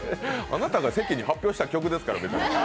あなたが世間に発表した曲ですから。